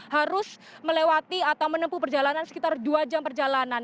harus melewati atau menempuh perjalanan sekitar dua jam perjalanan